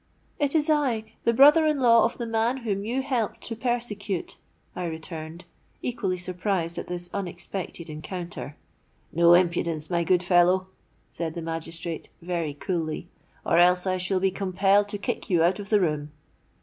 '—'It is I, the brother in law of the man whom you helped to persecute,' I returned, equally surprised at this unexpected encounter.—'No impudence, my good fellow,' said the magistrate, very coolly; 'or else I shall be compelled to kick you out of the room.